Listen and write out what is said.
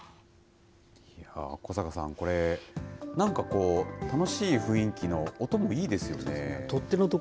いやー、小坂さん、これ、なんかこう、楽しい雰囲気の音もいいですよね。